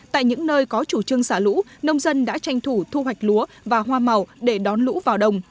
tại những nơi có chủ trương xả lũ nông dân đã tranh thủ thu hoạch lúa và hoa màu để đón lũ vào đồng